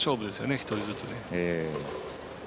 １人ずつ。